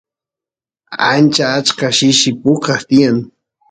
ancha achka shishi pukas tiyan